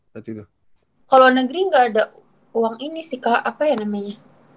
kalau negeri gak ada uang ini sih kak apa ya namanya